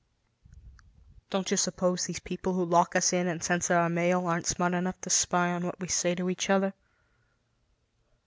"Don't you suppose these people who lock us in and censor our mail aren't smart enough to spy on what we say to each other?"